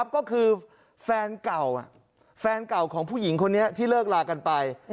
ก็คือแฟนเก่าแฟนเก่าของผู้หญิงคนนี้ที่เลิกลากันไป